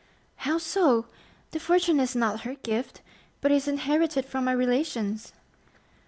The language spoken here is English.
"How so? The fortune is not her gift, but is inherited from my relations."